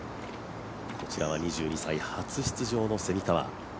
こちらは２２歳、初出場の蝉川。